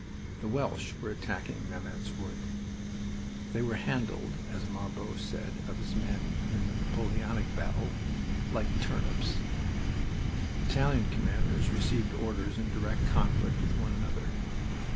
The Welsh were attacking Mametz Wood. They were handled, as Marbot said of his men in a Napoleonic battle, "like turnips." Battalion commanders received orders in direct conflict with one another.